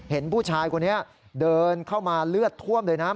เห็นผู้ชายคนนี้เดินเข้ามาเลือดท่วมเลยนะ